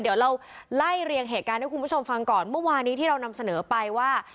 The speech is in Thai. เดี๋ยวเราไล่เรียงเหตุการณ์ให้คุณผู้ชมฟังก่อนเมื่อวานี้ที่เรานำเสนอไปว่า